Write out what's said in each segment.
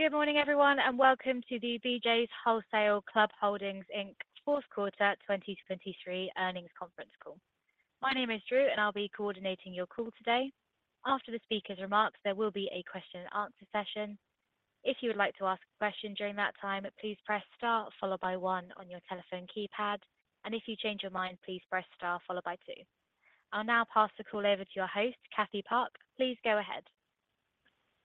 Good morning, everyone, and welcome to the BJ's Wholesale Club Holdings, Inc. fourth quarter 2023 earnings conference call. My name is Drew, and I'll be coordinating your call today. After the speaker's remarks, there will be a question-and-answer session. If you would like to ask a question during that time, please press star followed by 1 on your telephone keypad, and if you change your mind, please press star followed by 2. I'll now pass the call over to our host, Catherine Park. Please go ahead.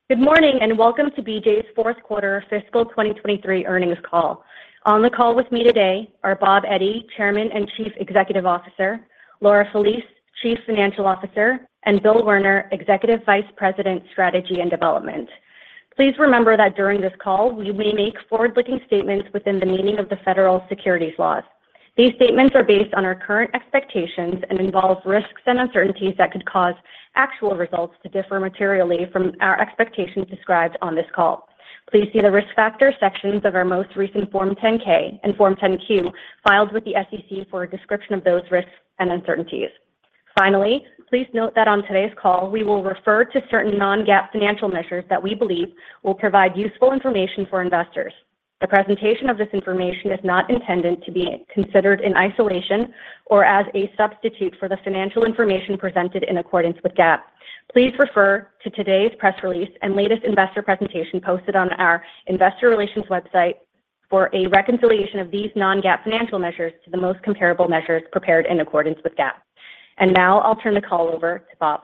Good morning and welcome to BJ's fourth quarter fiscal 2023 earnings call. On the call with me today are Bob Eddy, Chairman and Chief Executive Officer; Laura Felice, Chief Financial Officer; and Bill Werner, Executive Vice President, Strategy and Development. Please remember that during this call we may make forward-looking statements within the meaning of the federal securities laws. These statements are based on our current expectations and involve risks and uncertainties that could cause actual results to differ materially from our expectations described on this call. Please see the risk factor sections of our most recent Form 10-K and Form 10-Q filed with the SEC for a description of those risks and uncertainties. Finally, please note that on today's call we will refer to certain non-GAAP financial measures that we believe will provide useful information for investors. The presentation of this information is not intended to be considered in isolation or as a substitute for the financial information presented in accordance with GAAP. Please refer to today's press release and latest investor presentation posted on our Investor Relations website for a reconciliation of these non-GAAP financial measures to the most comparable measures prepared in accordance with GAAP. Now I'll turn the call over to Bob.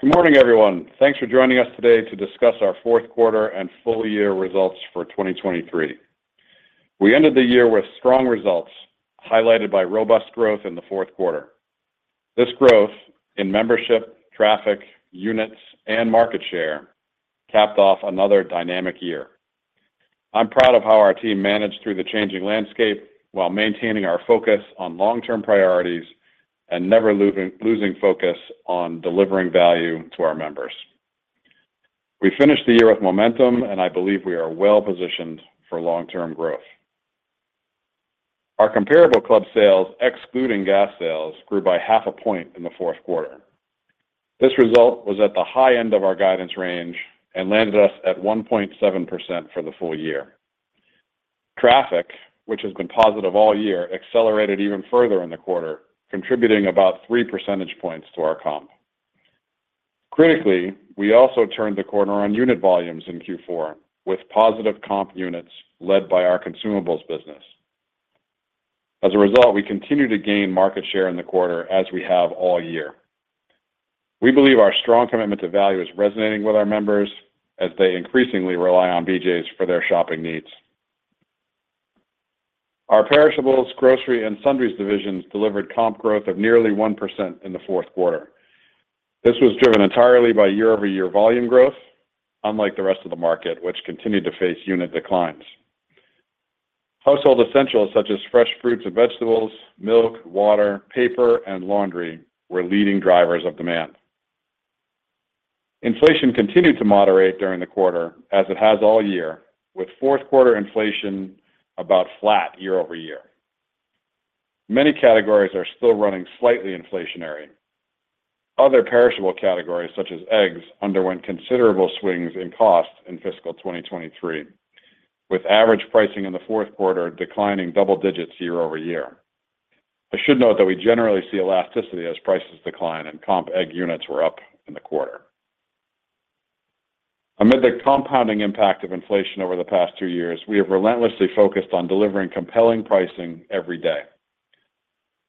Good morning, everyone. Thanks for joining us today to discuss our fourth quarter and full-year results for 2023. We ended the year with strong results highlighted by robust growth in the fourth quarter. This growth in membership, traffic, units, and market share capped off another dynamic year. I'm proud of how our team managed through the changing landscape while maintaining our focus on long-term priorities and never losing focus on delivering value to our members. We finished the year with momentum, and I believe we are well-positioned for long-term growth. Our comparable club sales, excluding gas sales, grew by 0.5 point in the fourth quarter. This result was at the high end of our guidance range and landed us at 1.7% for the full year. Traffic, which has been positive all year, accelerated even further in the quarter, contributing about 3 percentage points to our comp. Critically, we also turned the corner on unit volumes in Q4 with positive comp units led by our consumables business. As a result, we continue to gain market share in the quarter as we have all year. We believe our strong commitment to value is resonating with our members as they increasingly rely on BJ's for their shopping needs. Our perishables, grocery, and sundries divisions delivered comp growth of nearly 1% in the fourth quarter. This was driven entirely by year-over-year volume growth, unlike the rest of the market, which continued to face unit declines. Household essentials such as fresh fruits and vegetables, milk, water, paper, and laundry were leading drivers of demand. Inflation continued to moderate during the quarter as it has all year, with fourth quarter inflation about flat year over year. Many categories are still running slightly inflationary. Other perishable categories, such as eggs, underwent considerable swings in cost in fiscal 2023, with average pricing in the fourth quarter declining double digits year-over-year. I should note that we generally see elasticity as prices decline, and comp egg units were up in the quarter. Amid the compounding impact of inflation over the past two years, we have relentlessly focused on delivering compelling pricing every day.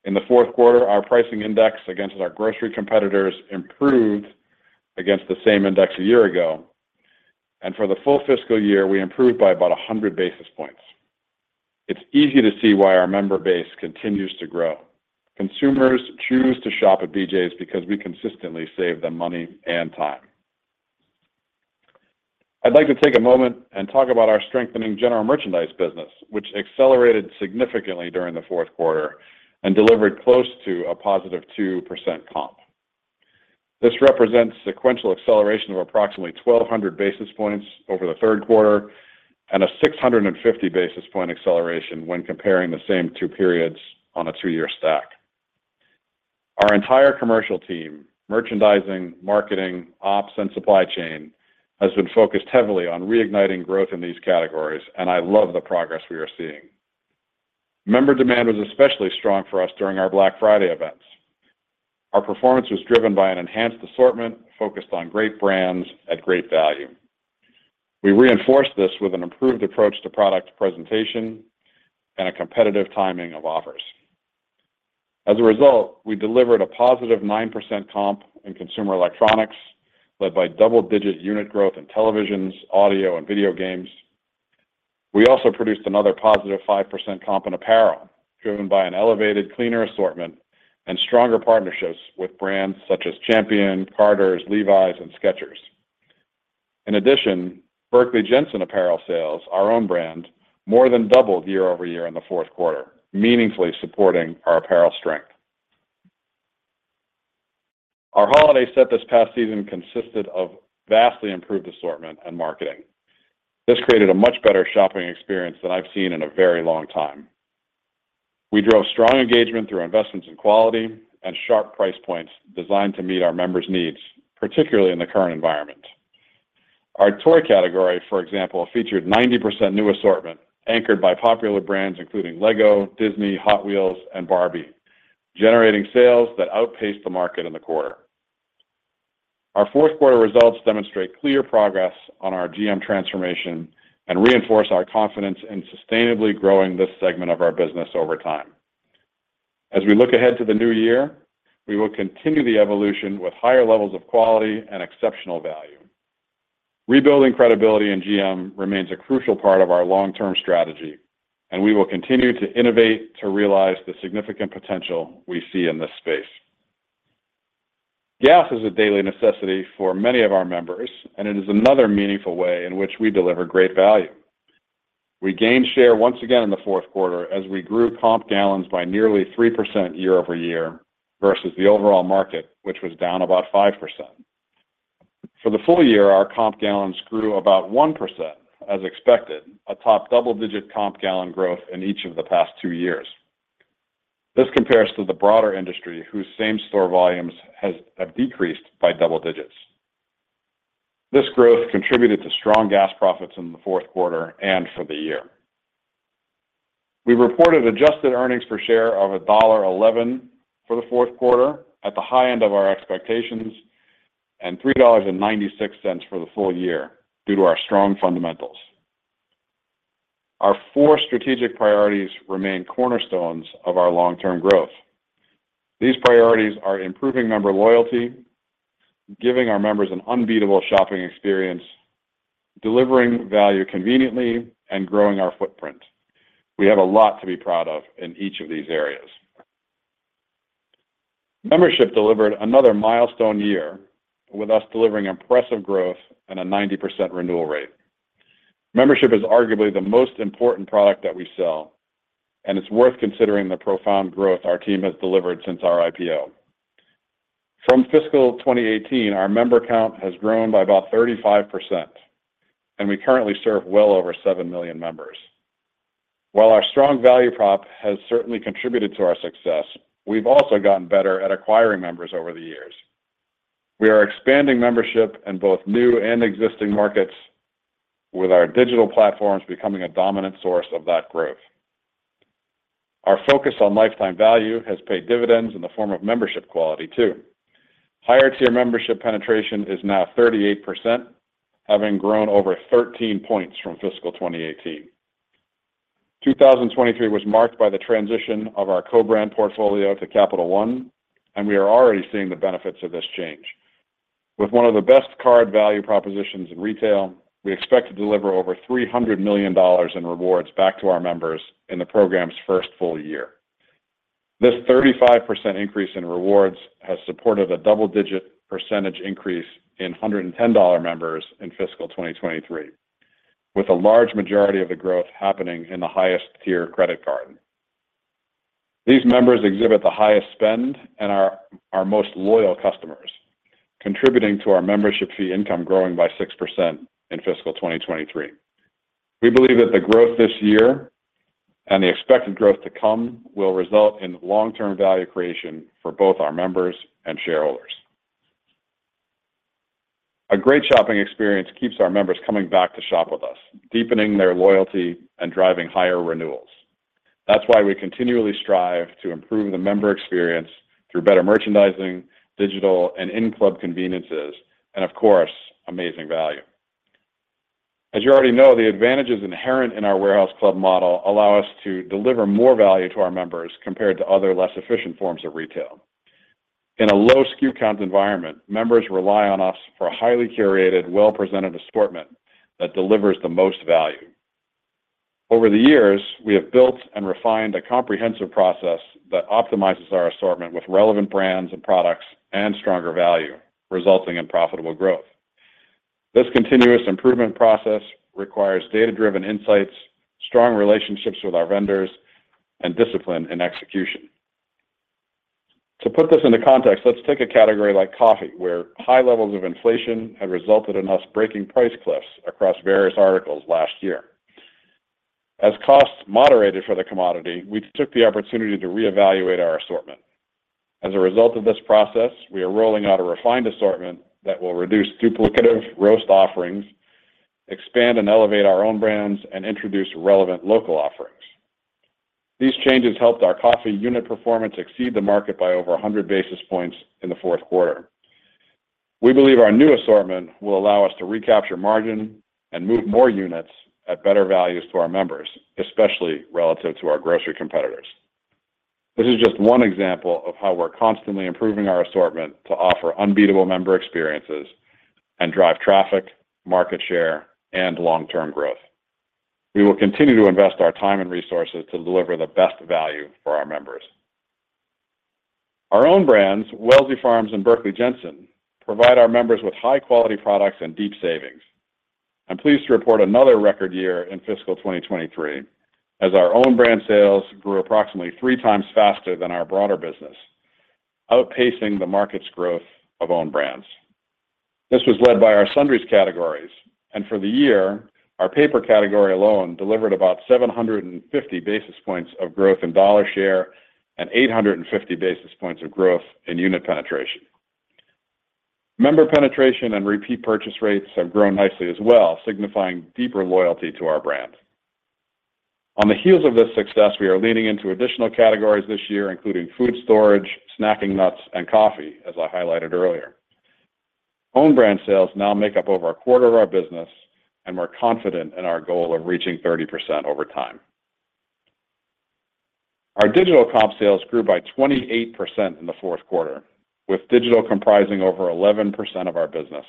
In the fourth quarter, our pricing index against our grocery competitors improved against the same index a year ago, and for the full fiscal year, we improved by about 100 basis points. It's easy to see why our member base continues to grow. Consumers choose to shop at BJ's because we consistently save them money and time. I'd like to take a moment and talk about our strengthening general merchandise business, which accelerated significantly during the fourth quarter and delivered close to a positive 2% comp. This represents sequential acceleration of approximately 1,200 basis points over the third quarter and a 650-basis point acceleration when comparing the same two periods on a two-year stack. Our entire commercial team, merchandising, marketing, ops, and supply chain, has been focused heavily on reigniting growth in these categories, and I love the progress we are seeing. Member demand was especially strong for us during our Black Friday events. Our performance was driven by an enhanced assortment focused on great brands at great value. We reinforced this with an improved approach to product presentation and a competitive timing of offers. As a result, we delivered a positive 9% comp in consumer electronics, led by double-digit unit growth in televisions, audio, and video games. We also produced another positive 5% comp in apparel, driven by an elevated, cleaner assortment and stronger partnerships with brands such as Champion, Carter's, Levi's, and Skechers. In addition, Berkley Jensen apparel sales our own brand, more than doubled year-over-year in the fourth quarter, meaningfully supporting our apparel strength. Our holiday set this past season consisted of vastly improved assortment and marketing. This created a much better shopping experience than I've seen in a very long time. We drove strong engagement through investments in quality and sharp price points designed to meet our members' needs, particularly in the current environment. Our toy category, for example, featured 90% new assortment anchored by popular brands including LEGO, Disney, Hot Wheels, and Barbie, generating sales that outpaced the market in the quarter. Our fourth quarter results demonstrate clear progress on our GM transformation and reinforce our confidence in sustainably growing this segment of our business over time. As we look ahead to the new year, we will continue the evolution with higher levels of quality and exceptional value. Rebuilding credibility in GM remains a crucial part of our long-term strategy, and we will continue to innovate to realize the significant potential we see in this space. Gas is a daily necessity for many of our members, and it is another meaningful way in which we deliver great value. We gained share once again in the fourth quarter as we grew comp gallons by nearly 3% year-over-year versus the overall market, which was down about 5%. For the full year, our comp gallons grew about 1%, as expected, atop double-digit comp gallon growth in each of the past two years. This compares to the broader industry, whose same-store volumes have decreased by double digits. This growth contributed to strong gas profits in the fourth quarter and for the year. We reported adjusted earnings per share of $1.11 for the fourth quarter, at the high end of our expectations, and $3.96 for the full year due to our strong fundamentals. Our four strategic priorities remain cornerstones of our long-term growth. These priorities are improving member loyalty, giving our members an unbeatable shopping experience, delivering value conveniently, and growing our footprint. We have a lot to be proud of in each of these areas. Membership delivered another milestone year, with us delivering impressive growth and a 90% renewal rate. Membership is arguably the most important product that we sell, and it's worth considering the profound growth our team has delivered since our IPO. From fiscal 2018, our member count has grown by about 35%, and we currently serve well over 7 million members. While our strong value prop has certainly contributed to our success, we've also gotten better at acquiring members over the years. We are expanding membership in both new and existing markets, with our digital platforms becoming a dominant source of that growth. Our focus on lifetime value has paid dividends in the form of membership quality, too. Higher-tier membership penetration is now 38%, having grown over 13 points from fiscal 2018. 2023 was marked by the transition of our co-brand portfolio to Capital One, and we are already seeing the benefits of this change. With one of the best card value propositions in retail, we expect to deliver over $300 million in rewards back to our members in the program's first full year. This 35% increase in rewards has supported a double-digit percentage increase in $110 members in fiscal 2023, with a large majority of the growth happening in the highest-tier credit card. These members exhibit the highest spend and are our most loyal customers, contributing to our membership fee income growing by 6% in fiscal 2023. We believe that the growth this year and the expected growth to come will result in long-term value creation for both our members and shareholders. A great shopping experience keeps our members coming back to shop with us, deepening their loyalty and driving higher renewals. That's why we continually strive to improve the member experience through better merchandising, digital, and in-club conveniences, and of course, amazing value. As you already know, the advantages inherent in our warehouse club model allow us to deliver more value to our members compared to other less efficient forms of retail. In a low SKU count environment, members rely on us for a highly curated, well-presented assortment that delivers the most value. Over the years, we have built and refined a comprehensive process that optimizes our assortment with relevant brands and products and stronger value, resulting in profitable growth. This continuous improvement process requires data-driven insights, strong relationships with our vendors, and discipline in execution. To put this into context, let's take a category like coffee, where high levels of inflation had resulted in us breaking price cliffs across various articles last year. As costs moderated for the commodity, we took the opportunity to reevaluate our assortment. As a result of this process, we are rolling out a refined assortment that will reduce duplicative roast offerings, expand and elevate our own brands, and introduce relevant local offerings. These changes helped our coffee unit performance exceed the market by over 100 basis points in the fourth quarter. We believe our new assortment will allow us to recapture margin and move more units at better values to our members, especially relative to our grocery competitors. This is just one example of how we're constantly improving our assortment to offer unbeatable member experiences and drive traffic, market share, and long-term growth. We will continue to invest our time and resources to deliver the best value for our members. Our own brands, Wellsley Farms and Berkley Jensen, provide our members with high-quality products and deep savings. I'm pleased to report another record year in fiscal 2023, as our own brand sales grew approximately three times faster than our broader business, outpacing the market's growth of own brands. This was led by our sundries categories, and for the year, our paper category alone delivered about 750 basis points of growth in dollar share and 850 basis points of growth in unit penetration. Member penetration and repeat purchase rates have grown nicely as well, signifying deeper loyalty to our brand. On the heels of this success, we are leaning into additional categories this year, including food storage, snacking nuts, and coffee, as I highlighted earlier. Own brand sales now make up over a quarter of our business, and we're confident in our goal of reaching 30% over time. Our digital comp sales grew by 28% in the fourth quarter, with digital comprising over 11% of our business.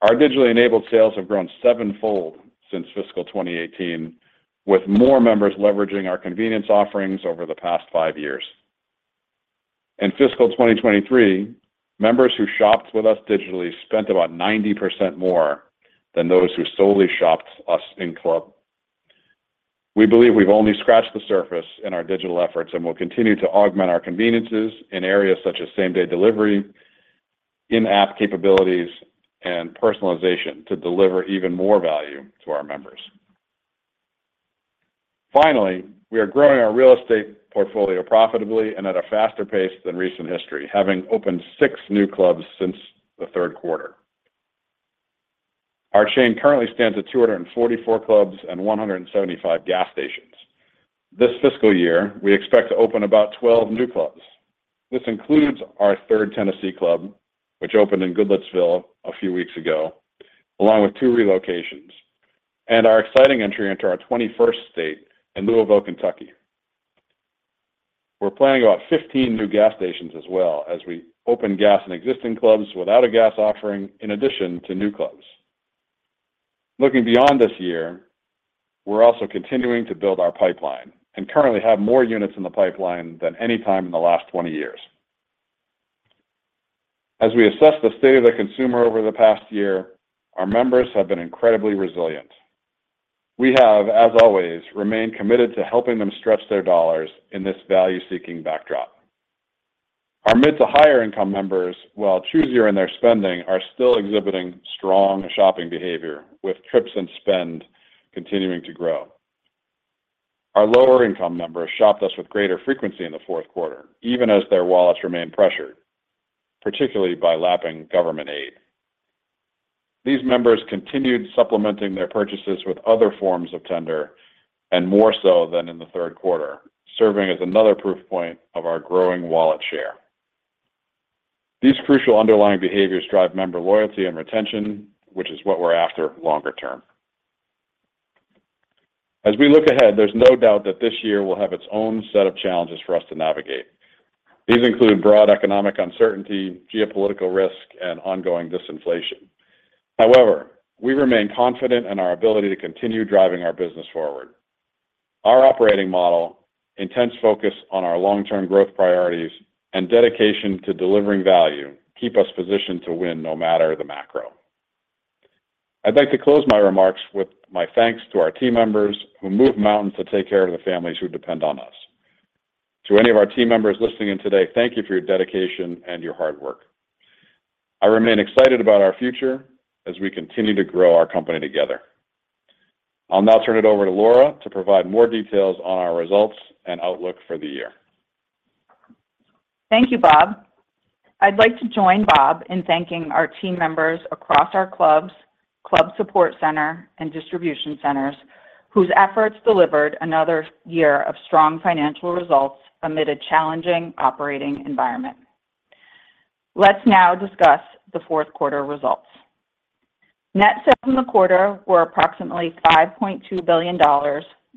Our digitally enabled sales have grown sevenfold since fiscal 2018, with more members leveraging our convenience offerings over the past five years. In fiscal 2023, members who shopped with us digitally spent about 90% more than those who solely shopped with us in club. We believe we've only scratched the surface in our digital efforts and will continue to augment our conveniences in areas such as same-day delivery, in-app capabilities, and personalization to deliver even more value to our members. Finally, we are growing our real estate portfolio profitably and at a faster pace than recent history, having opened six new clubs since the third quarter. Our chain currently stands at 244 clubs and 175 gas stations. This fiscal year, we expect to open about 12 new clubs. This includes our third Tennessee club, which opened in Goodlettsville a few weeks ago, along with two relocations, and our exciting entry into our 21st state in Louisville, Kentucky. We're planning about 15 new gas stations as well, as we open gas in existing clubs without a gas offering in addition to new clubs. Looking beyond this year, we're also continuing to build our pipeline and currently have more units in the pipeline than any time in the last 20 years. As we assess the state of the consumer over the past year, our members have been incredibly resilient. We have, as always, remained committed to helping them stretch their dollars in this value-seeking backdrop. Our mid to higher-income members, while choosier in their spending, are still exhibiting strong shopping behavior, with trips and spend continuing to grow. Our lower-income members shopped us with greater frequency in the fourth quarter, even as their wallets remained pressured, particularly by lapping government aid. These members continued supplementing their purchases with other forms of tender, and more so than in the third quarter, serving as another proof point of our growing wallet share. These crucial underlying behaviors drive member loyalty and retention, which is what we're after longer term. As we look ahead, there's no doubt that this year will have its own set of challenges for us to navigate. These include broad economic uncertainty, geopolitical risk, and ongoing disinflation. However, we remain confident in our ability to continue driving our business forward. Our operating model, intense focus on our long-term growth priorities, and dedication to delivering value keep us positioned to win no matter the macro. I'd like to close my remarks with my thanks to our team members, who move mountains to take care of the families who depend on us. To any of our team members listening in today, thank you for your dedication and your hard work. I remain excited about our future as we continue to grow our company together. I'll now turn it over to Laura to provide more details on our results and outlook for the year. Thank you, Bob. I'd like to join Bob in thanking our team members across our clubs, Club Support Center, and distribution centers, whose efforts delivered another year of strong financial results amid a challenging operating environment. Let's now discuss the fourth quarter results. Net sales in the quarter were approximately $5.2 billion,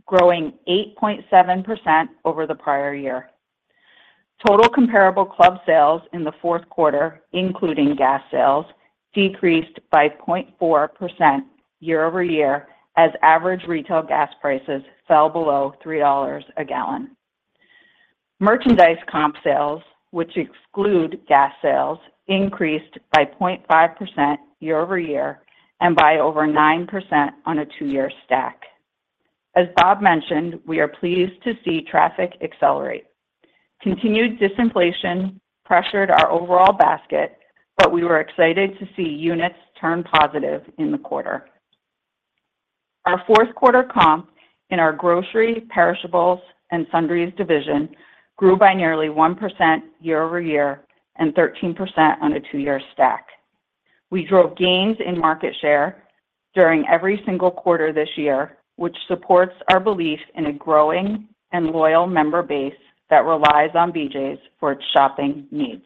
growing 8.7% over the prior year. Total comparable club sales in the fourth quarter, including gas sales, decreased by 0.4% year-over-year as average retail gas prices fell below $3 a gallon. Merchandise comp sales, which exclude gas sales, increased by 0.5% year-over-year and by over 9% on a two-year stack. As Bob mentioned, we are pleased to see traffic accelerate. Continued disinflation pressured our overall basket, but we were excited to see units turn positive in the quarter. Our fourth quarter comp in our grocery, perishables, and sundries division grew by nearly 1% year-over-year and 13% on a two-year stack. We drove gains in market share during every single quarter this year, which supports our belief in a growing and loyal member base that relies on BJ's for its shopping needs.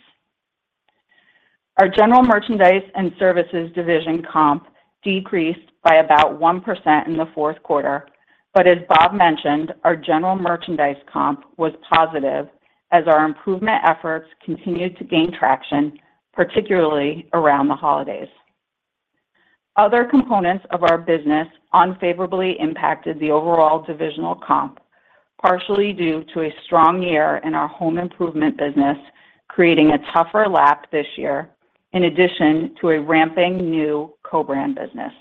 Our general merchandise and services division comp decreased by about 1% in the fourth quarter, but as Bob mentioned, our general merchandise comp was positive as our improvement efforts continued to gain traction, particularly around the holidays. Other components of our business unfavorably impacted the overall divisional comp, partially due to a strong year in our home improvement business creating a tougher lap this year, in addition to a ramping new co-brand business.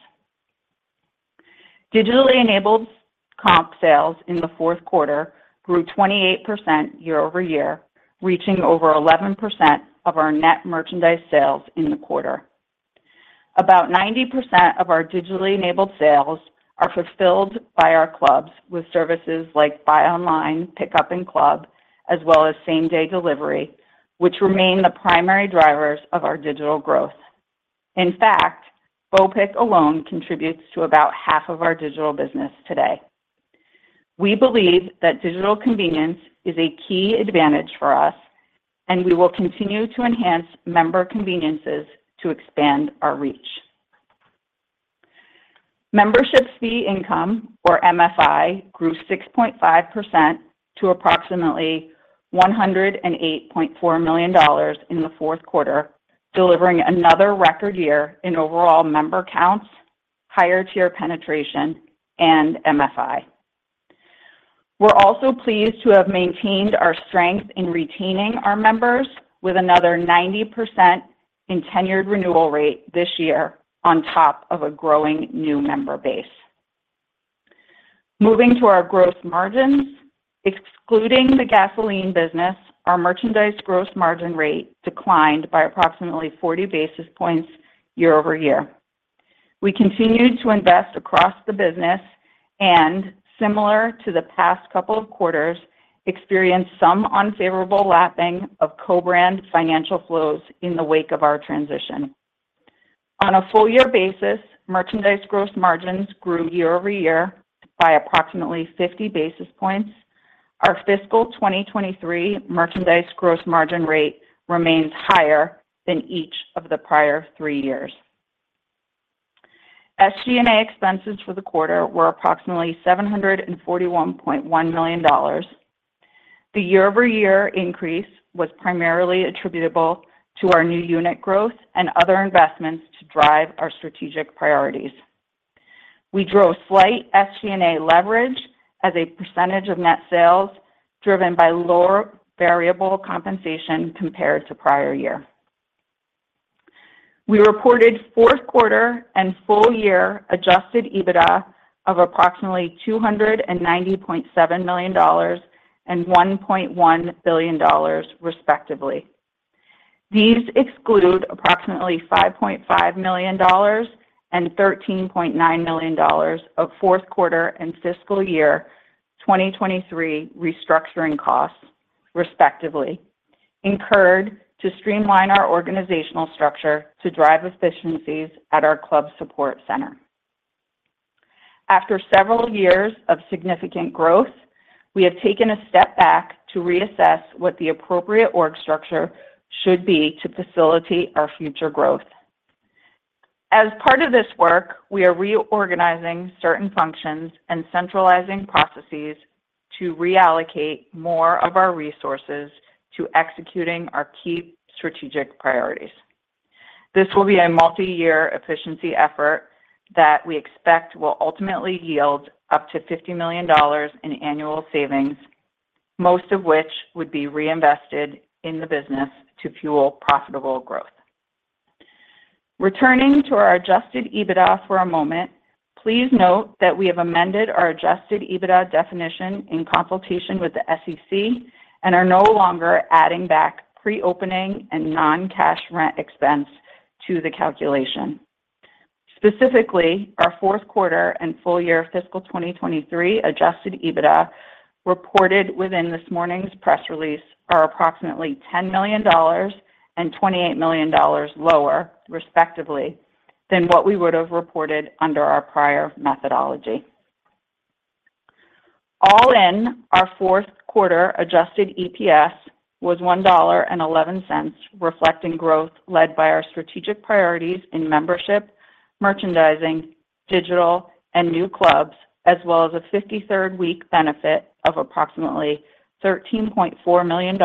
Digitally enabled comp sales in the fourth quarter grew 28% year-over-year, reaching over 11% of our net merchandise sales in the quarter. About 90% of our digitally enabled sales are fulfilled by our clubs with services like BOPIC, as well as same-day delivery, which remain the primary drivers of our digital growth. In fact, BOPIC alone contributes to about half of our digital business today. We believe that digital convenience is a key advantage for us, and we will continue to enhance member conveniences to expand our reach. Membership fee income, or MFI, grew 6.5% to approximately $108.4 million in the fourth quarter, delivering another record year in overall member counts, higher-tier penetration, and MFI. We're also pleased to have maintained our strength in retaining our members with another 90% in tenured renewal rate this year, on top of a growing new member base. Moving to our gross margins, excluding the gasoline business, our merchandise gross margin rate declined by approximately 40 basis points year-over-year. We continued to invest across the business and, similar to the past couple of quarters, experienced some unfavorable lapping of co-brand financial flows in the wake of our transition. On a full-year basis, merchandise gross margins grew year-over-year by approximately 50 basis points. Our fiscal 2023 merchandise gross margin rate remains higher than each of the prior three years. SG&A expenses for the quarter were approximately $741.1 million. The year-over-year increase was primarily attributable to our new unit growth and other investments to drive our strategic priorities. We drove slight SG&A leverage as a percentage of net sales driven by lower variable compensation compared to prior year. We reported fourth quarter and full-year adjusted EBITDA of approximately $290.7 million and $1.1 billion, respectively. These exclude approximately $5.5 million and $13.9 million of fourth quarter and fiscal year 2023 restructuring costs, respectively, incurred to streamline our organizational structure to drive efficiencies at our Club Support Center. After several years of significant growth, we have taken a step back to reassess what the appropriate org structure should be to facilitate our future growth. As part of this work, we are reorganizing certain functions and centralizing processes to reallocate more of our resources to executing our key strategic priorities. This will be a multi-year efficiency effort that we expect will ultimately yield up to $50 million in annual savings, most of which would be reinvested in the business to fuel profitable growth. Returning to our Adjusted EBITDA for a moment, please note that we have amended our Adjusted EBITDA definition in consultation with the SEC and are no longer adding back pre-opening and non-cash rent expense to the calculation. Specifically, our fourth quarter and full-year fiscal 2023 Adjusted EBITDA reported within this morning's press release are approximately $10 million and $28 million lower, respectively, than what we would have reported under our prior methodology. All in, our fourth quarter Adjusted EPS was $1.11, reflecting growth led by our strategic priorities in membership, merchandising, digital, and new clubs, as well as a 53rd week benefit of approximately $13.4 million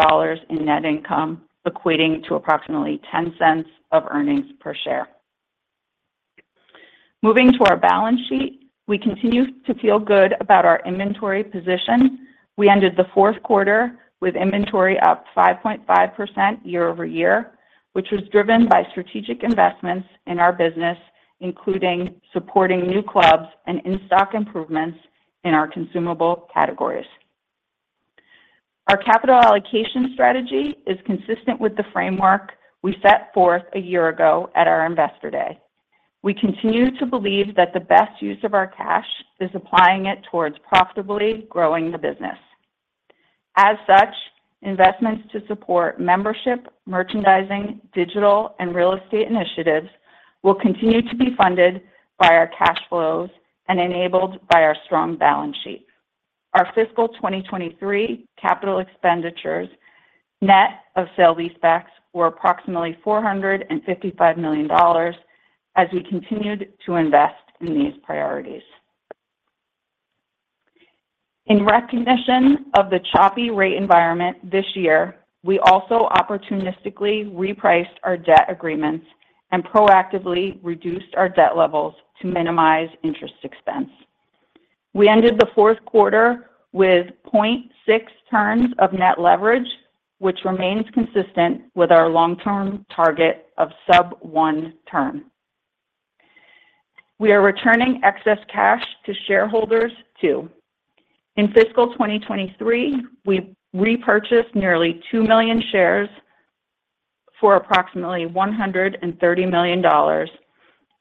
in net income equating to approximately $0.10 of earnings per share. Moving to our balance sheet, we continue to feel good about our inventory position. We ended the fourth quarter with inventory up 5.5% year-over-year, which was driven by strategic investments in our business, including supporting new clubs and in-stock improvements in our consumable categories. Our capital allocation strategy is consistent with the framework we set forth a year ago at our Investor Day. We continue to believe that the best use of our cash is applying it towards profitably growing the business. As such, investments to support membership, merchandising, digital, and real estate initiatives will continue to be funded by our cash flows and enabled by our strong balance sheet. Our fiscal 2023 capital expenditures, net of sale leasebacks, were approximately $455 million as we continued to invest in these priorities. In recognition of the choppy rate environment this year, we also opportunistically repriced our debt agreements and proactively reduced our debt levels to minimize interest expense. We ended the fourth quarter with 0.6 turns of net leverage, which remains consistent with our long-term target of sub-one turn. We are returning excess cash to shareholders too. In fiscal 2023, we repurchased nearly 2 million shares for approximately $130 million,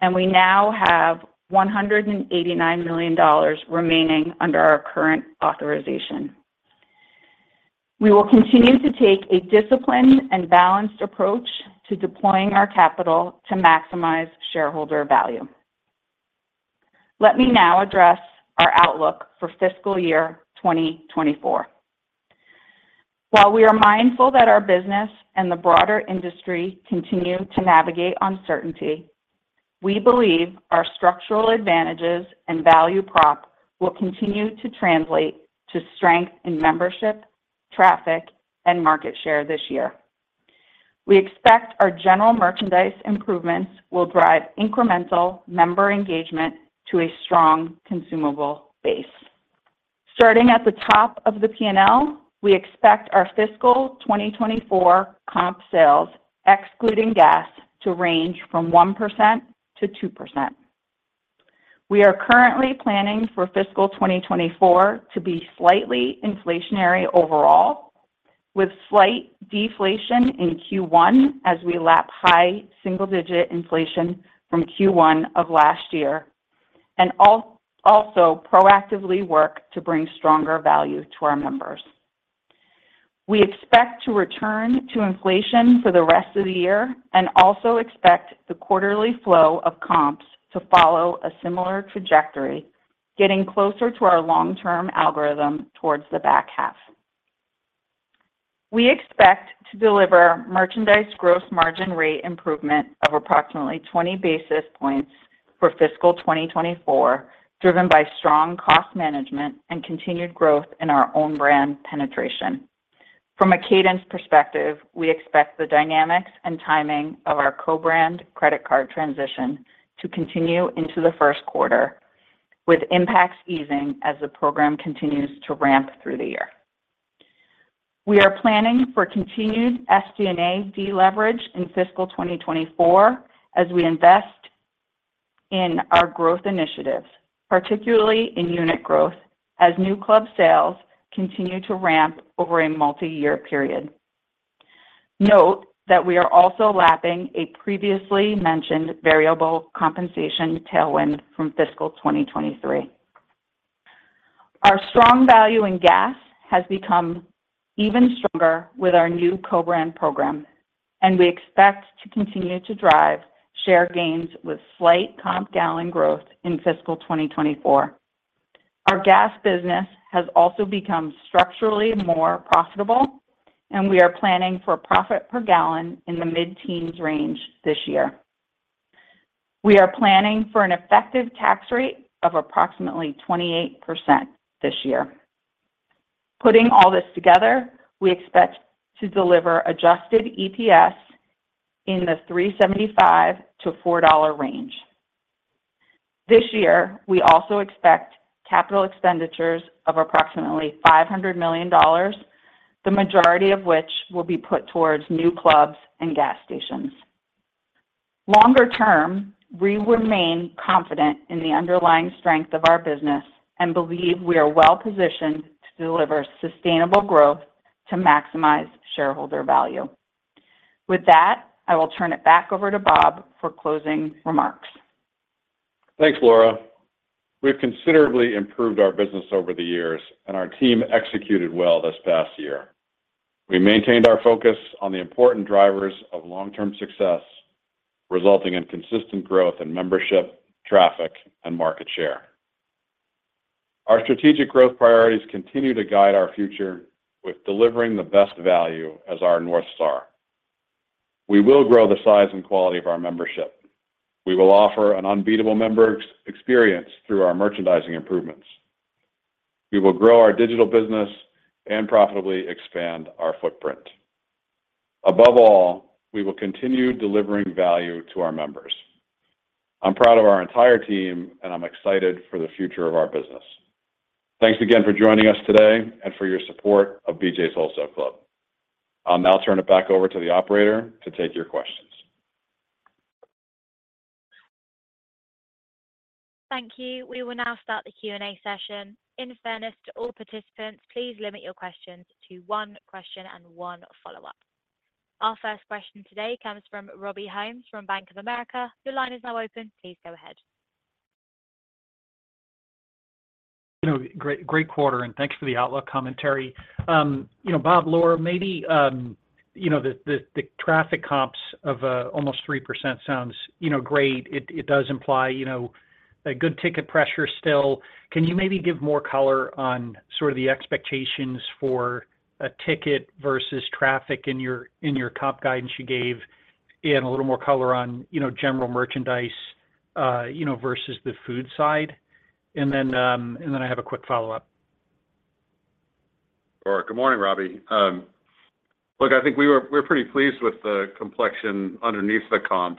and we now have $189 million remaining under our current authorization. We will continue to take a disciplined and balanced approach to deploying our capital to maximize shareholder value. Let me now address our outlook for fiscal year 2024. While we are mindful that our business and the broader industry continue to navigate uncertainty, we believe our structural advantages and value prop will continue to translate to strength in membership, traffic, and market share this year. We expect our general merchandise improvements will drive incremental member engagement to a strong consumable base. Starting at the top of the P&L, we expect our fiscal 2024 comp sales, excluding gas, to range from 1%-2%. We are currently planning for fiscal 2024 to be slightly inflationary overall, with slight deflation in Q1 as we lap high single-digit inflation from Q1 of last year, and also proactively work to bring stronger value to our members. We expect to return to inflation for the rest of the year and also expect the quarterly flow of comps to follow a similar trajectory, getting closer to our long-term algorithm towards the back half. We expect to deliver merchandise gross margin rate improvement of approximately 20 basis points for fiscal 2024, driven by strong cost management and continued growth in our own brand penetration. From a cadence perspective, we expect the dynamics and timing of our co-brand credit card transition to continue into the first quarter, with impacts easing as the program continues to ramp through the year. We are planning for continued SG&A deleverage in fiscal 2024 as we invest in our growth initiatives, particularly in unit growth, as new club sales continue to ramp over a multi-year period. Note that we are also lapping a previously mentioned variable compensation tailwind from fiscal 2023. Our strong value in gas has become even stronger with our new co-brand program, and we expect to continue to drive share gains with slight comp gallon growth in fiscal 2024. Our gas business has also become structurally more profitable, and we are planning for profit per gallon in the mid-teens range this year. We are planning for an effective tax rate of approximately 28% this year. Putting all this together, we expect to deliver adjusted EPS in the $3.75-$4 range. This year, we also expect capital expenditures of approximately $500 million, the majority of which will be put towards new clubs and gas stations. Longer term, we remain confident in the underlying strength of our business and believe we are well-positioned to deliver sustainable growth to maximize shareholder value. With that, I will turn it back over to Bob for closing remarks. Thanks, Laura. We've considerably improved our business over the years, and our team executed well this past year. We maintained our focus on the important drivers of long-term success, resulting in consistent growth in membership, traffic, and market share. Our strategic growth priorities continue to guide our future with delivering the best value as our North Star. We will grow the size and quality of our membership. We will offer an unbeatable member experience through our merchandising improvements. We will grow our digital business and profitably expand our footprint. Above all, we will continue delivering value to our members. I'm proud of our entire team, and I'm excited for the future of our business. Thanks again for joining us today and for your support of BJ's Wholesale Club. I'll now turn it back over to the operator to take your questions. Thank you. We will now start the Q&A session. In fairness to all participants, please limit your questions to one question and one follow-up. Our first question today comes from Robbie Ohmes from Bank of America. Your line is now open. Please go ahead. Great, great quarter, and thanks for the outlook commentary. Bob, Laura, maybe the traffic comps of almost 3% sounds great. It does imply a good ticket pressure still. Can you maybe give more color on sort of the expectations for a ticket versus traffic in your comp guidance you gave, and a little more color on general merchandise versus the food side? And then I have a quick follow-up. All right. Good morning, Robbie. Look, I think we're pretty pleased with the complexion underneath the comp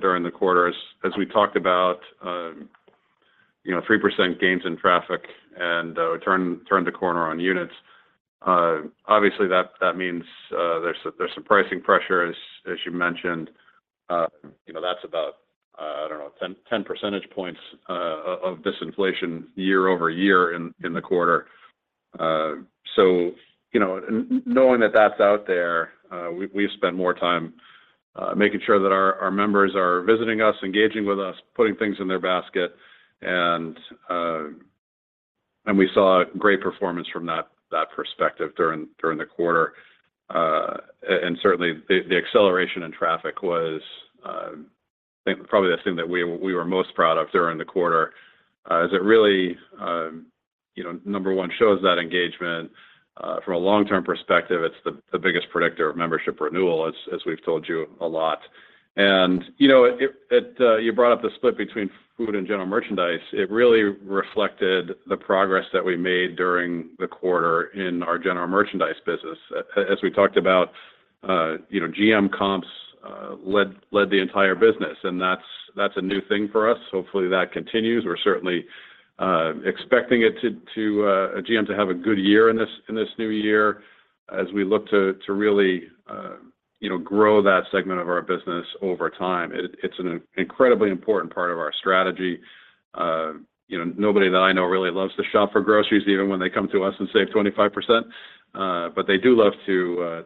during the quarter. As we talked about 3% gains in traffic and turned the corner on units, obviously, that means there's some pricing pressure, as you mentioned. That's about, I don't know, 10 percentage points of disinflation year-over-year in the quarter. So, knowing that that's out there, we've spent more time making sure that our members are visiting us, engaging with us, putting things in their basket. And we saw great performance from that perspective during the quarter. And certainly, the acceleration in traffic was probably the thing that we were most proud of during the quarter. As it really, number one, shows that engagement. From a long-term perspective, it's the biggest predictor of membership renewal, as we've told you a lot. You brought up the split between food and general merchandise. It really reflected the progress that we made during the quarter in our general merchandise business. As we talked about, GM comps led the entire business, and that's a new thing for us. Hopefully, that continues. We're certainly expecting GM to have a good year in this new year as we look to really grow that segment of our business over time. It's an incredibly important part of our strategy. Nobody that I know really loves to shop for groceries, even when they come to us and save 25%. But they do love to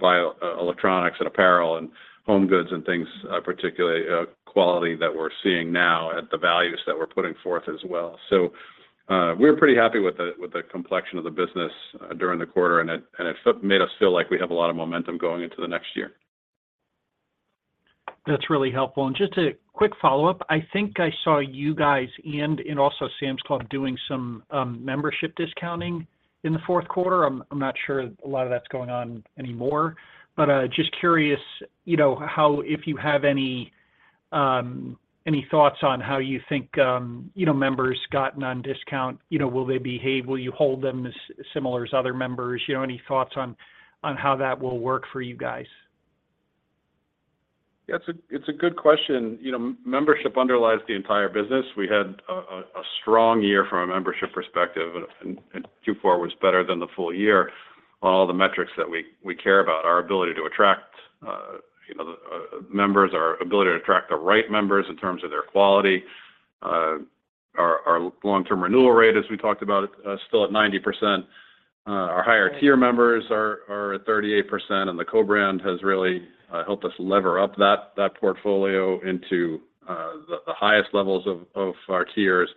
buy electronics and apparel and home goods and things, particularly quality that we're seeing now at the values that we're putting forth as well. We're pretty happy with the complexion of the business during the quarter, and it made us feel like we have a lot of momentum going into the next year. That's really helpful. Just a quick follow-up, I think I saw you guys and also Sam's Club doing some membership discounting in the fourth quarter. I'm not sure a lot of that's going on anymore. Just curious if you have any thoughts on how you think members gotten on discount will behave. Will you hold them similar to other members? Any thoughts on how that will work for you guys? Yeah, it's a good question. Membership underlies the entire business. We had a strong year from a membership perspective, and Q4 was better than the full year on all the metrics that we care about: our ability to attract members, our ability to attract the right members in terms of their quality, our long-term renewal rate, as we talked about, still at 90%. Our higher-tier members are at 38%, and the co-brand has really helped us lever up that portfolio into the highest levels of our tiers.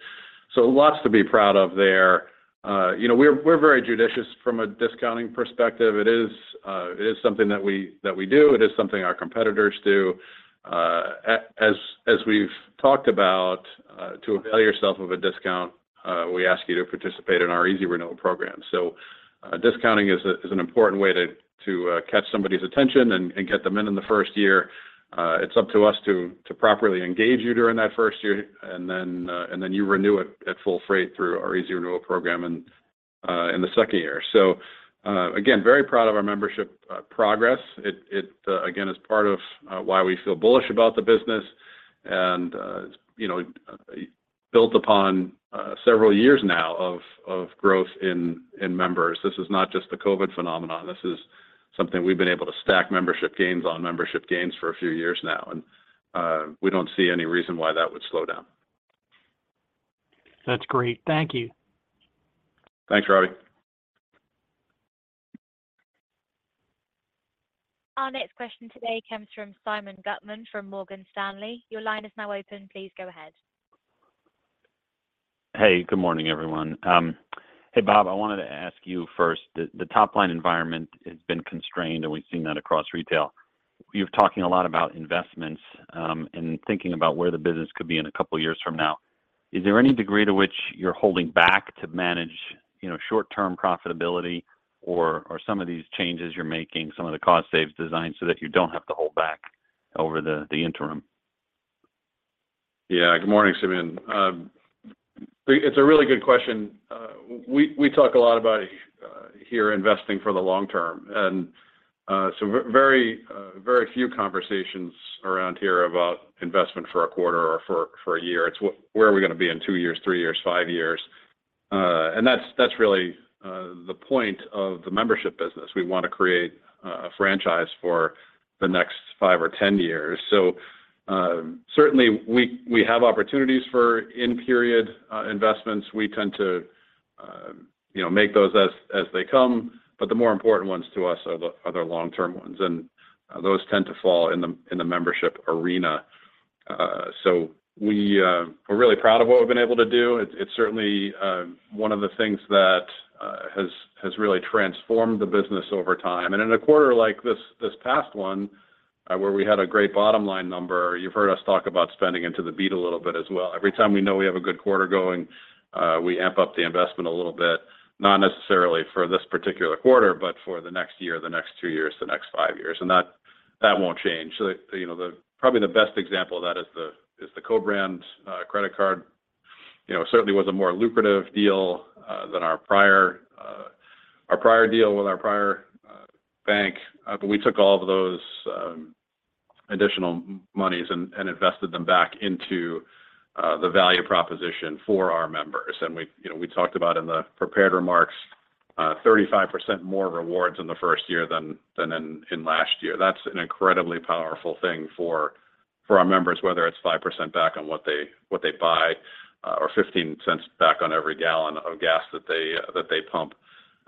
So, lots to be proud of there. We're very judicious from a discounting perspective. It is something that we do. It is something our competitors do. As we've talked about, to avail yourself of a discount, we ask you to participate in our Easy Renewal program. So, discounting is an important way to catch somebody's attention and get them in in the first year. It's up to us to properly engage you during that first year, and then you renew it at full freight through our Easy Renewal program in the second year. So, again, very proud of our membership progress. It, again, is part of why we feel bullish about the business and built upon several years now of growth in members. This is not just the COVID phenomenon. This is something we've been able to stack membership gains on membership gains for a few years now, and we don't see any reason why that would slow down. That's great. Thank you. Thanks, Robbie. Our next question today comes from Simeon Gutman from Morgan Stanley. Your line is now open. Please go ahead. Hey, good morning, everyone. Hey, Bob, I wanted to ask you first. The top-line environment has been constrained, and we've seen that across retail. You're talking a lot about investments and thinking about where the business could be in a couple of years from now. Is there any degree to which you're holding back to manage short-term profitability or some of these changes you're making, some of the cost-saves designed so that you don't have to hold back over the interim? Yeah. Good morning, Simon. It's a really good question. We talk a lot about here investing for the long term, and so very few conversations around here about investment for a quarter or for a year. It's where are we going to be in 2 years, 3 years, 5 years? And that's really the point of the membership business. We want to create a franchise for the next 5 or 10 years. So, certainly, we have opportunities for in-period investments. We tend to make those as they come, but the more important ones to us are the long-term ones, and those tend to fall in the membership arena. So, we're really proud of what we've been able to do. It's certainly one of the things that has really transformed the business over time. In a quarter like this past one where we had a great bottom line number, you've heard us talk about spending into the beat a little bit as well. Every time we know we have a good quarter going, we amp up the investment a little bit, not necessarily for this particular quarter, but for the next year, the next two years, the next five years. That won't change. Probably the best example of that is the co-brand credit card. Certainly, it was a more lucrative deal than our prior deal with our prior bank, but we took all of those additional monies and invested them back into the value proposition for our members. We talked about in the prepared remarks, 35% more rewards in the first year than in last year. That's an incredibly powerful thing for our members, whether it's 5% back on what they buy or $0.15 back on every gallon of gas that they pump.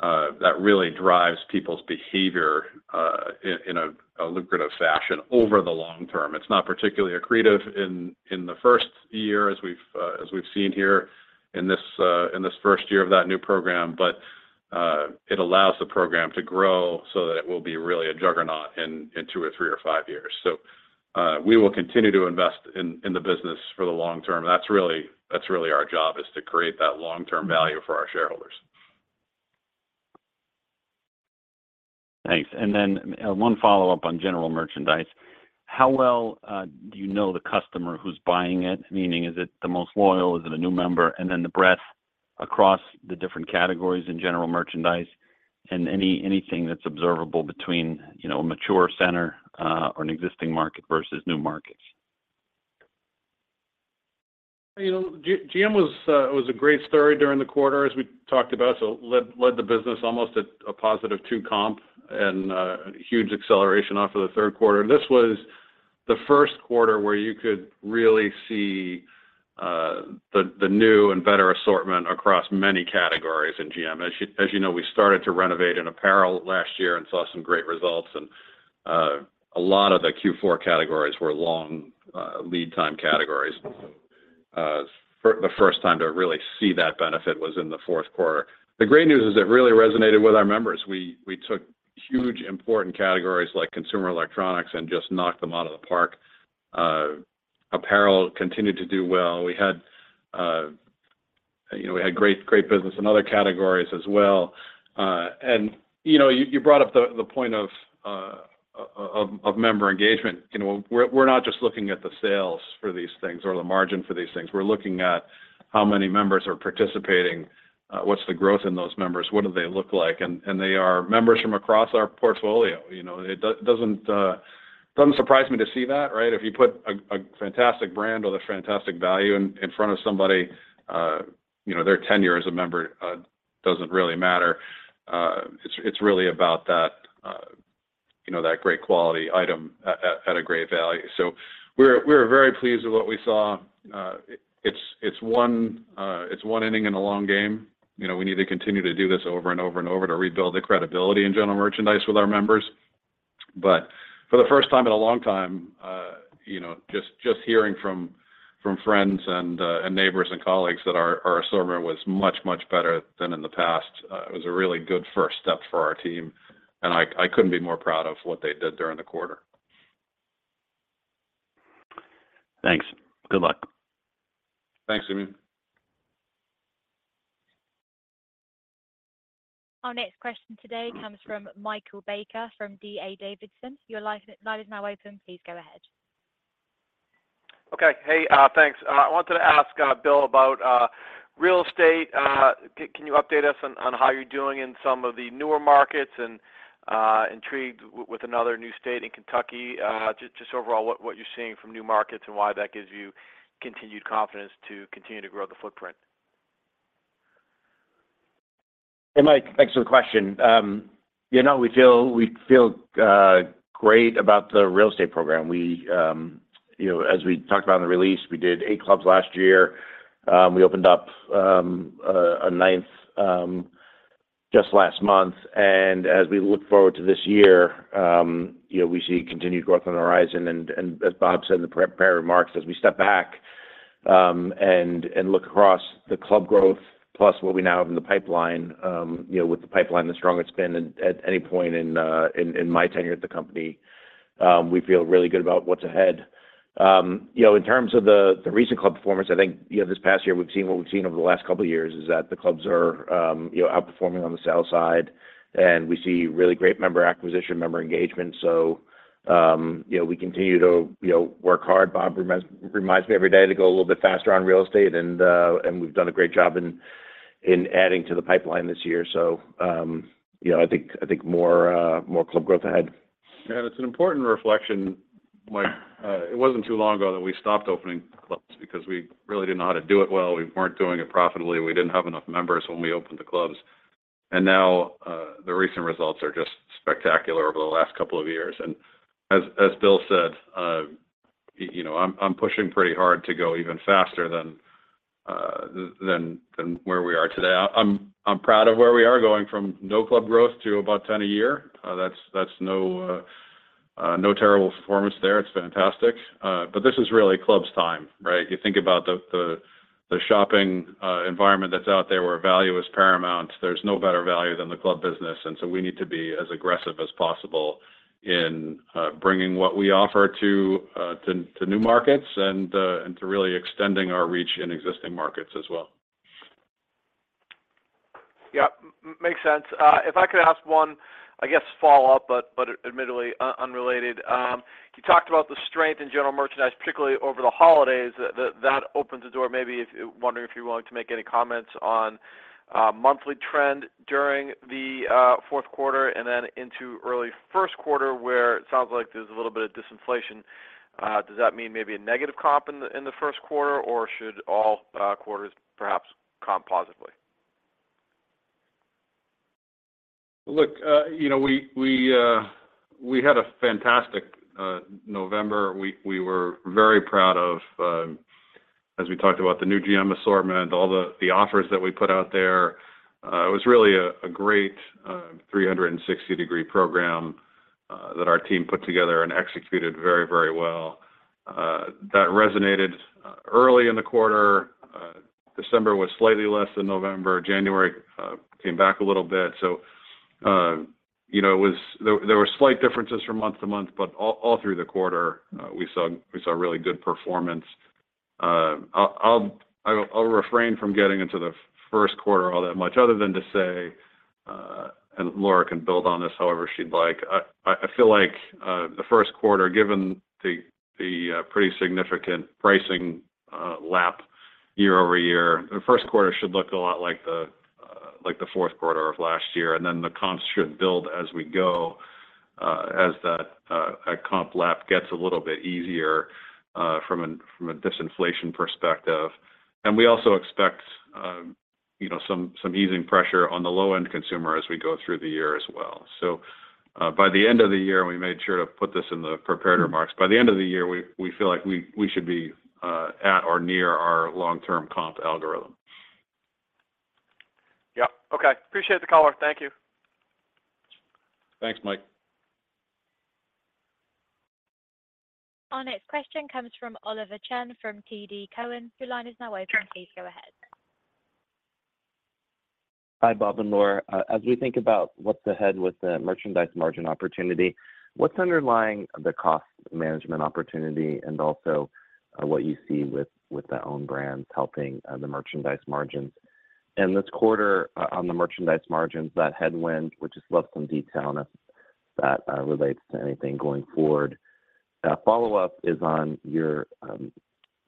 That really drives people's behavior in a lucrative fashion over the long term. It's not particularly accretive in the first year, as we've seen here in this first year of that new program, but it allows the program to grow so that it will be really a juggernaut in 2 or 3 or 5 years. So, we will continue to invest in the business for the long term. That's really our job, is to create that long-term value for our shareholders. Thanks. And then one follow-up on general merchandise. How well do you know the customer who's buying it? Meaning, is it the most loyal? Is it a new member? And then the breadth across the different categories in general merchandise and anything that's observable between a mature center or an existing market versus new markets? GM was a great story during the quarter, as we talked about, so led the business almost at a positive 2-comp and huge acceleration off of the third quarter. This was the first quarter where you could really see the new and better assortment across many categories in GM. As you know, we started to renovate in apparel last year and saw some great results, and a lot of the Q4 categories were long lead-time categories. So, the first time to really see that benefit was in the fourth quarter. The great news is it really resonated with our members. We took huge, important categories like consumer electronics and just knocked them out of the park, apparel continued to do well. We had great business in other categories as well. And you brought up the point of member engagement. We're not just looking at the sales for these things or the margin for these things. We're looking at how many members are participating, what's the growth in those members, what do they look like. They are members from across our portfolio. It doesn't surprise me to see that, right. If you put a fantastic brand or the fantastic value in front of somebody, their 10-year member doesn't really matter. It's really about that great quality item at a great value. So, we're very pleased with what we saw. It's one inning in a long game. We need to continue to do this over and over and over to rebuild the credibility in general merchandise with our members. But for the first time in a long time, just hearing from friends and neighbors and colleagues that our assortment was much, much better than in the past, it was a really good first step for our team. And I couldn't be prouder of what they did during the quarter. Thanks. Good luck. Thanks, Simon. Our next question today comes from Michael Baker from D.A. Davidson. Your line is now open. Please go ahead. Okay. Hey, thanks. I wanted to ask Bill about real estate. Can you update us on how you're doing in some of the newer markets and intrigued with another new state in Kentucky? Just overall, what you're seeing from new markets and why that gives you continued confidence to continue to grow the footprint. Hey, Mike. Thanks for the question. We feel great about the real estate program. As we talked about in the release, we did 8 clubs last year. We opened up a 9th just last month. As we look forward to this year, we see continued growth on the horizon. As Bob said in the prepared remarks, as we step back and look across the club growth plus what we now have in the pipeline, with the pipeline the strongest been at any point in my tenure at the company, we feel really good about what's ahead. In terms of the recent club performance, I think this past year, we've seen what we've seen over the last couple of years is that the clubs are outperforming on the sales side, and we see really great member acquisition, member engagement. We continue to work hard. Bob reminds me every day to go a little bit faster on real estate, and we've done a great job in adding to the pipeline this year. I think more club growth ahead. Yeah, and it's an important reflection, Mike. It wasn't too long ago that we stopped opening clubs because we really didn't know how to do it well. We weren't doing it profitably. We didn't have enough members when we opened the clubs. And now the recent results are just spectacular over the last couple of years. And as Bill said, I'm pushing pretty hard to go even faster than where we are today. I'm proud of where we are going from no club growth to about 10 a year. That's no terrible performance there. It's fantastic. But this is really club's time, right? You think about the shopping environment that's out there where value is paramount. There's no better value than the club business. We need to be as aggressive as possible in bringing what we offer to new markets and to really extending our reach in existing markets as well. Yeah, makes sense. If I could ask one, I guess, follow-up, but admittedly unrelated. You talked about the strength in general merchandise, particularly over the holidays. That opens the door maybe wondering if you're willing to make any comments on monthly trend during the fourth quarter and then into early first quarter where it sounds like there's a little bit of disinflation. Does that mean maybe a negative comp in the first quarter, or should all quarters perhaps comp positively? Look, we had a fantastic November. We were very proud of, as we talked about, the new GM assortment, all the offers that we put out there. It was really a great 360-degree program that our team put together and executed very, very well. That resonated early in the quarter. December was slightly less than November. January came back a little bit. So, there were slight differences from month to month, but all through the quarter, we saw really good performance. I'll refrain from getting into the first quarter all that much other than to say, and Laura can build on this however she'd like, I feel like the first quarter, given the pretty significant pricing lap year over year, the first quarter should look a lot like the fourth quarter of last year. And then the comps should build as we go as that comp lap gets a little bit easier from a disinflation perspective. And we also expect some easing pressure on the low-end consumer as we go through the year as well. So, by the end of the year, and we made sure to put this in the prepared remarks, by the end of the year, we feel like we should be at or near our long-term comp algorithm. Yeah. Okay. Appreciate the caller. Thank you. Thanks, Mike. Our next question comes from Oliver Chen from TD Cowen. Your line is now open. Please go ahead. Hi, Bob and Laura. As we think about what's ahead with the merchandise margin opportunity, what's underlying the cost management opportunity and also what you see with the own brands helping the merchandise margins? This quarter on the merchandise margins, that headwind, we'd just love some detail on if that relates to anything going forward. Follow-up is on your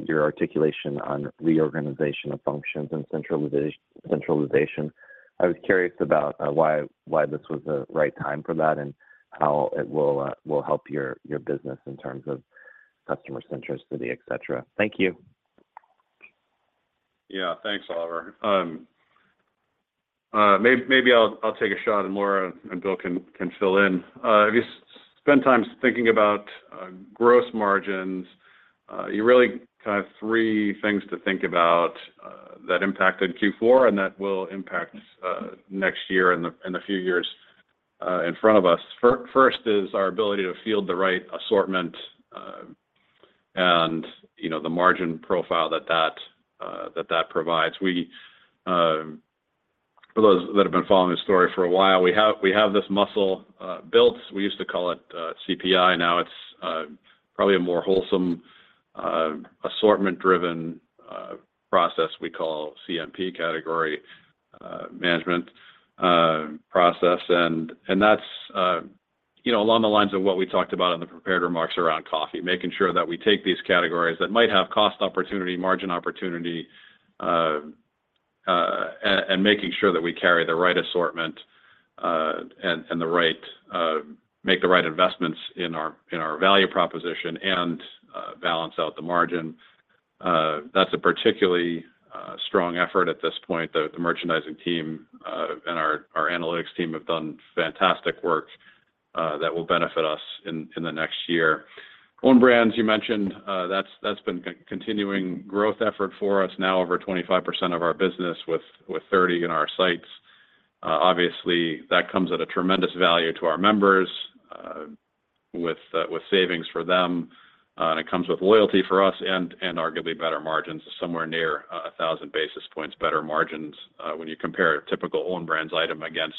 articulation on reorganization of functions and centralization. I was curious about why this was the right time for that and how it will help your business in terms of customer centricity, etc. Thank you. Yeah. Thanks, Oliver. Maybe I'll take a shot, and Laura and Bill can fill in. Have you spent time thinking about gross margins? Kind of three things to think about that impacted Q4 and that will impact next year and the few years in front of us. First is our ability to field the right assortment and the margin profile that that provides. For those that have been following this story for a while, we have this muscle built. We used to call it CPI. Now it's probably a more wholesome assortment-driven process we call CMP category management process. That's along the lines of what we talked about in the prepared remarks around coffee, making sure that we take these categories that might have cost opportunity, margin opportunity, and making sure that we carry the right assortment and make the right investments in our value proposition and balance out the margin. That's a particularly strong effort at this point. The merchandising team and our analytics team have done fantastic work that will benefit us in the next year. Own brands, you mentioned, that's been a continuing growth effort for us now over 25% of our business with 30 in our sights. Obviously, that comes at a tremendous value to our members with savings for them, and it comes with loyalty for us and arguably better margins, somewhere near 1,000 basis points better margins when you compare a typical own brands item against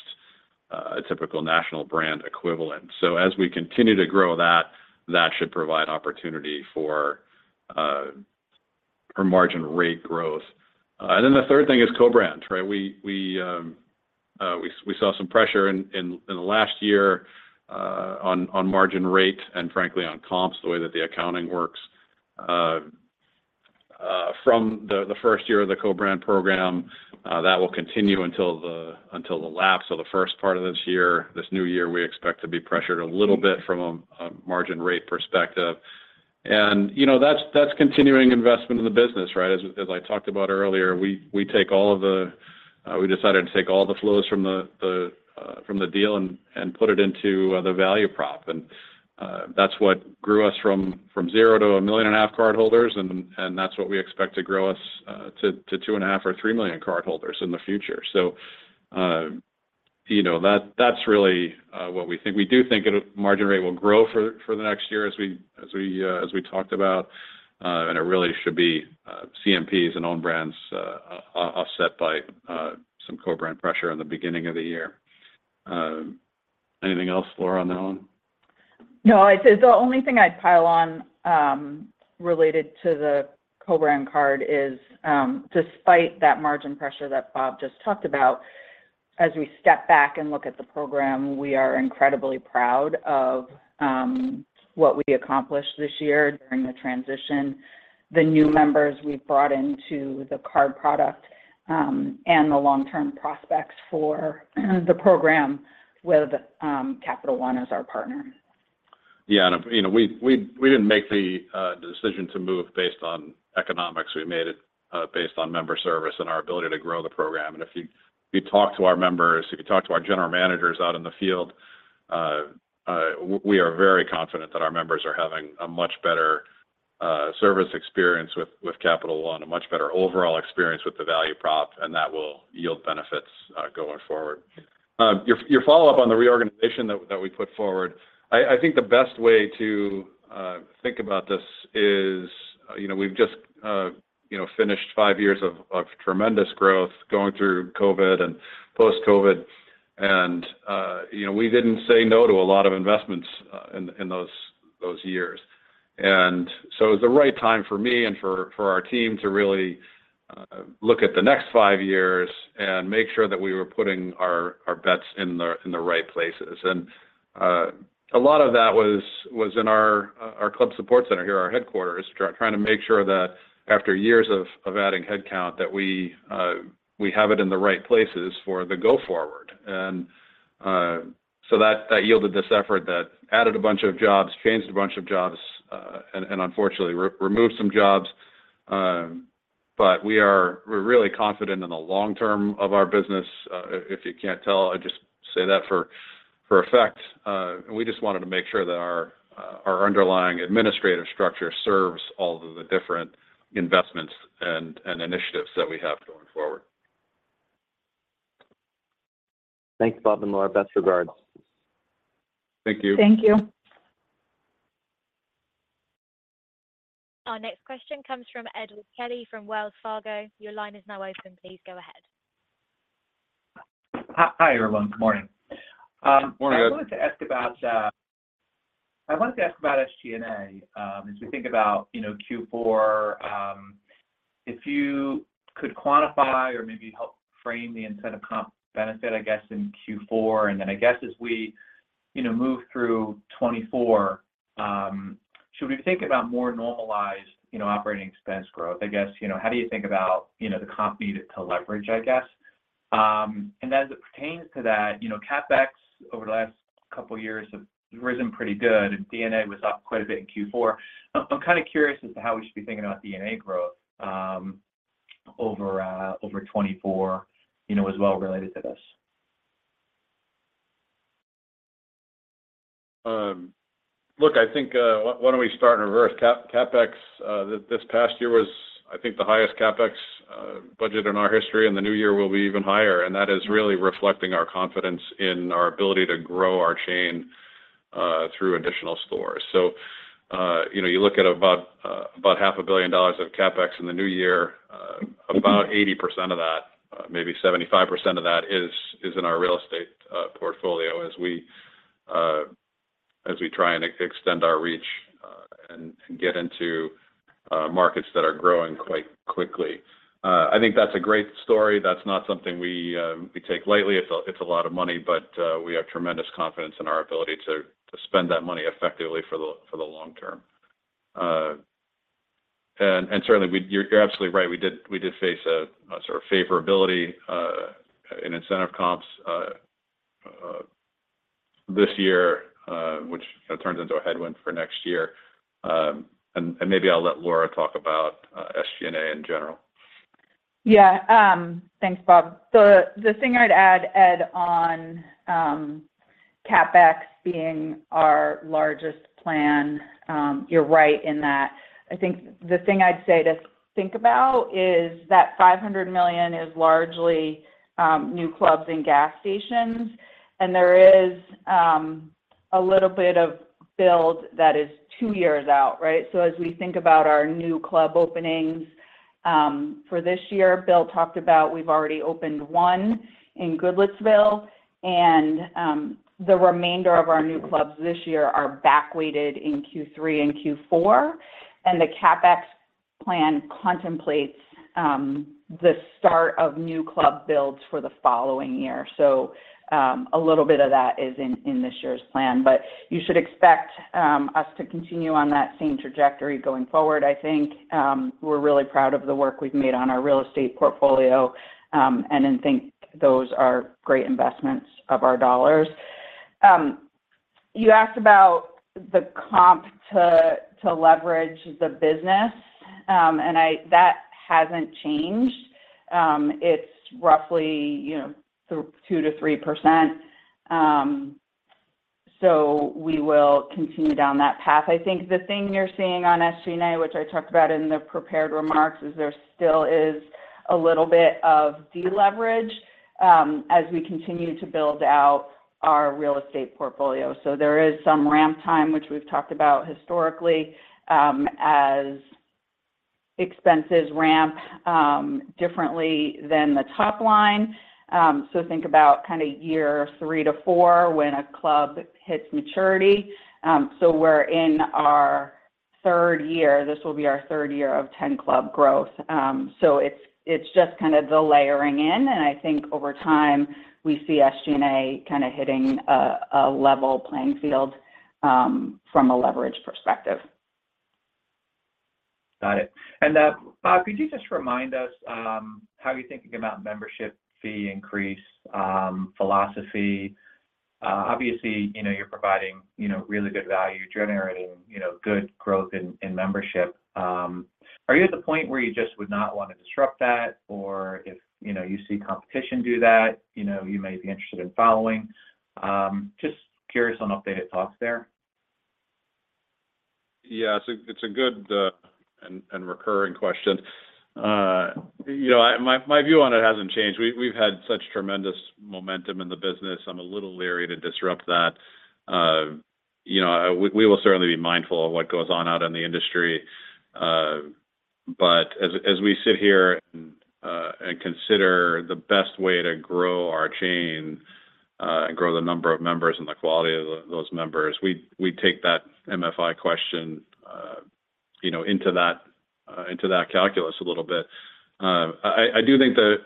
a typical national brand equivalent. So, as we continue to grow that, that should provide opportunity for margin rate growth. And then the third thing is co-brands, right? We saw some pressure in the last year on margin rate and, frankly, on comps, the way that the accounting works. From the first year of the co-brand program, that will continue until the lap. So, the first part of this year, this new year, we expect to be pressured a little bit from a margin rate perspective. And that's continuing investment in the business, right? As I talked about earlier, we take all of the we decided to take all the flows from the deal and put it into the value prop. And that's what grew us from zero to 1.5 million cardholders. And that's what we expect to grow us to 2.5 or 3 million cardholders in the future. That's really what we think. We do think margin rate will grow for the next year as we talked about, and it really should be CMPs and own brands offset by some co-brand pressure in the beginning of the year. Anything else, Laura, on that one? No, the only thing I'd pile on related to the co-brand card is despite that margin pressure that Bob just talked about, as we step back and look at the program, we are incredibly proud of what we accomplished this year during the transition, the new members we've brought into the card product, and the long-term prospects for the program with Capital One as our partner. Yeah. We didn't make the decision to move based on economics. We made it based on member service and our ability to grow the program. If you talk to our members, if you talk to our general managers out in the field, we are very confident that our members are having a much better service experience with Capital One, a much better overall experience with the value prop, and that will yield benefits going forward. Your follow-up on the reorganization that we put forward, I think the best way to think about this is we've just finished five years of tremendous growth going through COVID and post-COVID. We didn't say no to a lot of investments in those years. And so, it was the right time for me and for our team to really look at the next five years and make sure that we were putting our bets in the right places. And a lot of that was in our Club Support Center here, our headquarters, trying to make sure that after years of adding headcount, that we have it in the right places for the go-forward. And so that yielded this effort that added a bunch of jobs, changed a bunch of jobs, and unfortunately removed some jobs. But we are really confident in the long term of our business. If you can't tell, I just say that for effect. And we just wanted to make sure that our underlying administrative structure serves all of the different investments and initiatives that we have going forward. Thanks, Bob and Laura. Best regards. Thank you. Thank you. Our next question comes from Edward Kelly from Wells Fargo. Your line is now open. Please go ahead. Hi, everyone. Good morning. Morning, guys. I wanted to ask about SG&A as we think about Q4. If you could quantify or maybe help frame the incentive comp benefit, I guess, in Q4. And then, I guess, as we move through 2024, should we be thinking about more normalized operating expense growth? I guess, how do you think about the comp needed to leverage, I guess? And as it pertains to that, CapEx over the last couple of years has risen pretty good. D&A was up quite a bit in Q4. I'm kind of curious as to how we should be thinking about D&A growth over 2024 as well related to this. Look, I think why don't we start in reverse? CapEx this past year was, I think, the highest CapEx budget in our history. The new year will be even higher. That is really reflecting our confidence in our ability to grow our chain through additional stores. So you look at about $500 million of CapEx in the new year. About 80% of that, maybe 75% of that, is in our real estate portfolio as we try and extend our reach and get into markets that are growing quite quickly. I think that's a great story. That's not something we take lightly. It's a lot of money, but we have tremendous confidence in our ability to spend that money effectively for the long term. Certainly, you're absolutely right. We did face a sort of favorability in incentive comps this year, which turns into a headwind for next year. Maybe I'll let Laura talk about SG&A in general. Yeah. Thanks, Bob. The thing I'd add, Ed, on CapEx being our largest plan, you're right in that. I think the thing I'd say to think about is that $500 million is largely new clubs and gas stations. And there is a little bit of build that is two years out, right? So as we think about our new club openings for this year, Bill talked about we've already opened one in Goodlettsville. And the remainder of our new clubs this year are backweighted in Q3 and Q4. And the CapEx plan contemplates the start of new club builds for the following year. So a little bit of that is in this year's plan. But you should expect us to continue on that same trajectory going forward, I think. We're really proud of the work we've made on our real estate portfolio and think those are great investments of our dollars. You asked about the comp to leverage the business. That hasn't changed. It's roughly 2%-3%. We will continue down that path. I think the thing you're seeing on SG&A, which I talked about in the prepared remarks, is there still is a little bit of deleverage as we continue to build out our real estate portfolio. There is some ramp time, which we've talked about historically, as expenses ramp differently than the top line. Think about kind of year 3 to 4 when a club hits maturity. We're in our third year. This will be our third year of 10-club growth. It's just kind of the layering in. I think over time, we see SG&A kind of hitting a level playing field from a leverage perspective. Got it. Bob, could you just remind us how you're thinking about membership fee increase philosophy? Obviously, you're providing really good value, generating good growth in membership. Are you at the point where you just would not want to disrupt that? Or if you see competition do that, you may be interested in following? Just curious on updated talks there. Yeah. It's a good and recurring question. My view on it hasn't changed. We've had such tremendous momentum in the business. I'm a little leery to disrupt that. We will certainly be mindful of what goes on out in the industry. But as we sit here and consider the best way to grow our chain and grow the number of members and the quality of those members, we take that MFI question into that calculus a little bit. I do think that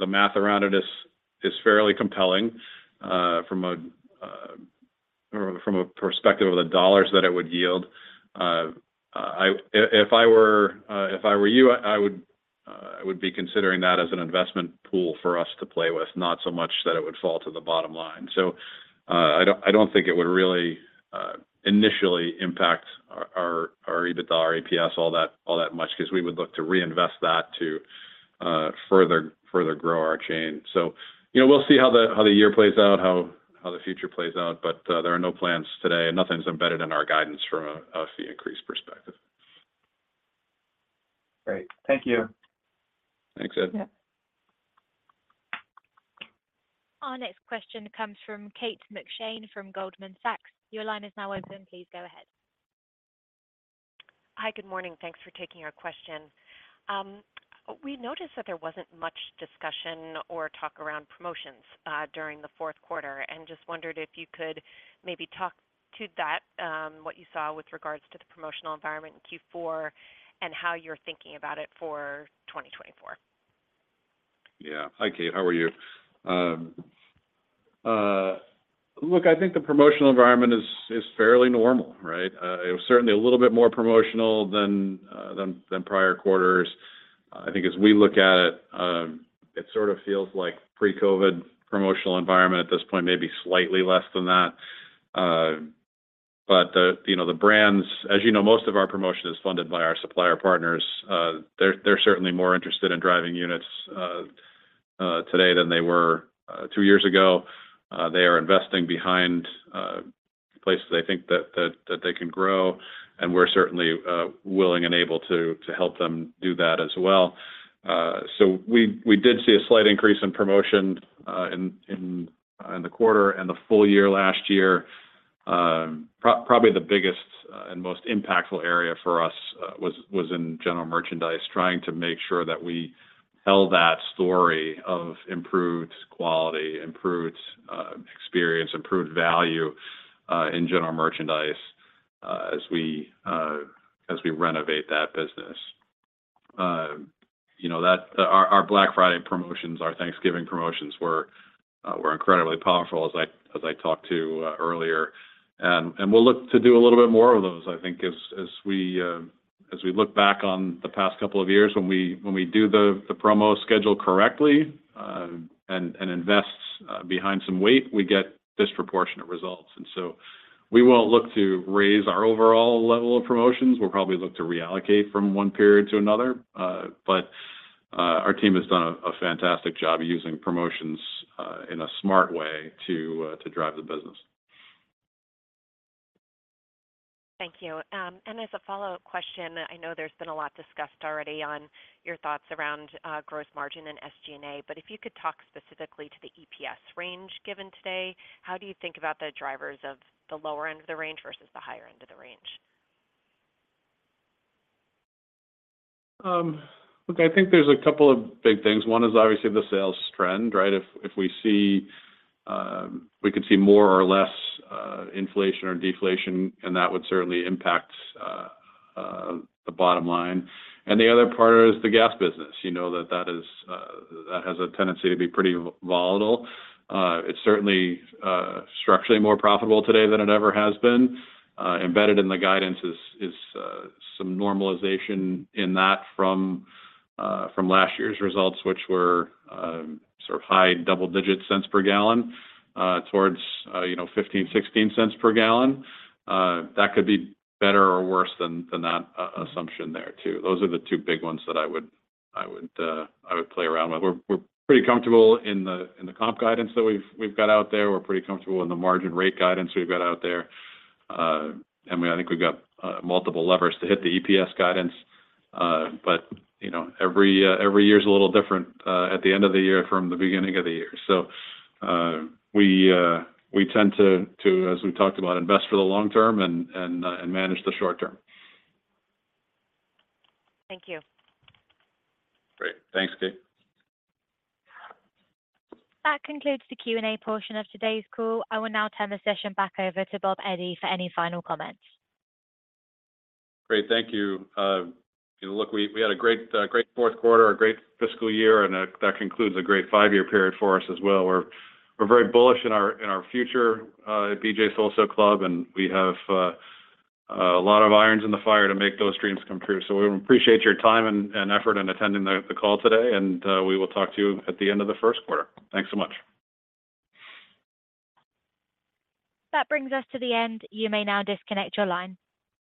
the math around it is fairly compelling from a perspective of the dollars that it would yield. If I were you, I would be considering that as an investment pool for us to play with, not so much that it would fall to the bottom line. So, I don't think it would really initially impact our EBITDA, our EPS, all that much because we would look to reinvest that to further grow our chain. So, we'll see how the year plays out, how the future plays out. But there are no plans today, and nothing's embedded in our guidance from a fee increase perspective. Great. Thank you. Thanks, Ed. Our next question comes from Kate McShane from Goldman Sachs. Your line is now open. Please go ahead. Hi. Good morning. Thanks for taking our question. We noticed that there wasn't much discussion or talk around promotions during the fourth quarter and just wondered if you could maybe talk to that, what you saw with regards to the promotional environment in Q4 and how you're thinking about it for 2024. Yeah. Hi, Kate. How are you? Look, I think the promotional environment is fairly normal, right? Certainly, a little bit more promotional than prior quarters. I think as we look at it, it sort of feels like pre-COVID promotional environment at this point, maybe slightly less than that. But the brands, as you know, most of our promotion is funded by our supplier partners. They're certainly more interested in driving units today than they were two years ago. They are investing behind places they think that they can grow. And we're certainly willing and able to help them do that as well. So we did see a slight increase in promotion in the quarter and the full year last year. Probably the biggest and most impactful area for us was in general merchandise, trying to make sure that we held that story of improved quality, improved experience, improved value in general merchandise as we renovate that business. Our Black Friday promotions, our Thanksgiving promotions, were incredibly powerful, as I talked to earlier. We'll look to do a little bit more of those, I think, as we look back on the past couple of years. When we do the promo schedule correctly and invest behind some weight, we get disproportionate results. So we won't look to raise our overall level of promotions. We'll probably look to reallocate from one period to another. Our team has done a fantastic job using promotions in a smart way to drive the business. Thank you. As a follow-up question, I know there's been a lot discussed already on your thoughts around gross margin and SG&A. If you could talk specifically to the EPS range given today, how do you think about the drivers of the lower end of the range versus the higher end of the range? Look, I think there's a couple of big things. One is obviously the sales trend, right? If we could see more or less inflation or deflation, and that would certainly impact the bottom line. The other part is the gas business. That has a tendency to be pretty volatile. It's certainly structurally more profitable today than it ever has been. Embedded in the guidance is some normalization in that from last year's results, which were sort of high double-digit cents per gallon towards $0.15-$0.16 per gallon. That could be better or worse than that assumption there too. Those are the two big ones that I would play around with. We're pretty comfortable in the comp guidance that we've got out there. We're pretty comfortable in the margin rate guidance we've got out there. I think we've got multiple levers to hit the EPS guidance. But every year's a little different at the end of the year from the beginning of the year. So we tend to, as we talked about, invest for the long term and manage the short term. Thank you. Great. Thanks, Kate. That concludes the Q&A portion of today's call. I will now turn the session back over to Bob Eddy for any final comments. Great. Thank you. Look, we had a great fourth quarter, a great fiscal year, and that concludes a great five-year period for us as well. We're very bullish in our future at BJ's Wholesale Club, and we have a lot of irons in the fire to make those dreams come true. We appreciate your time and effort in attending the call today. We will talk to you at the end of the first quarter. Thanks so much. That brings us to the end. You may now disconnect your line.